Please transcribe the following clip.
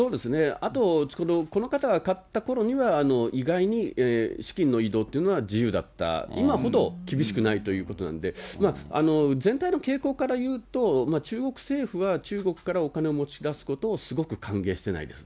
あと、この方が買ったころには、意外に資金の移動というのは自由だった、今ほど厳しくないということなんで、全体の傾向からいうと、中国政府は中国からお金を持ち出すことをすごく歓迎してないです。